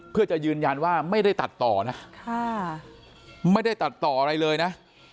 เพื่อจะยืนยันว่าไม่ได้ตัดต่อนะไม่ได้ตัดต่ออะไรเลยนะ